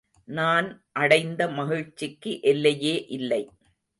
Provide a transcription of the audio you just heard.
நான் அடைந்த மகிழ்ச்சிக்கு எல்லையே இல்லை.